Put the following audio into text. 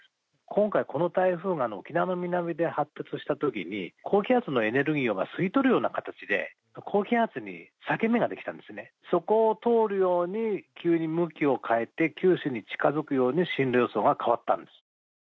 今回、この台風が沖縄の南で発達したときに高気圧のエネルギーを吸い取るような形で、高気圧に裂け目ができたんですそこを通るように急に向きを変えて九州に近づくように進路予想が変わったんです。